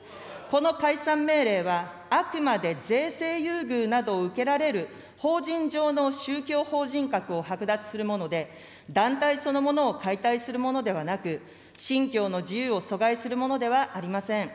この解散命令は、あくまで税制優遇などを受けられる法人上の宗教法人格を剥奪するもので、団体そのものを解体するものではなく、信教の自由を阻害するものではありません。